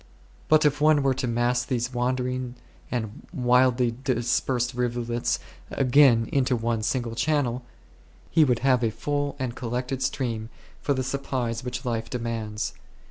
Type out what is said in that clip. But if one were to mass these wandering and widely dispersed rivulets again into one single channel, he would have a full and col lected stream for the supplies which life de mands.